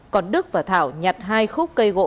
còn đức và thảo nhặt hai khúc cây gỗ